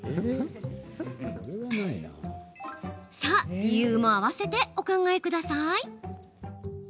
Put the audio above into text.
さあ、理由もあわせてお考えください。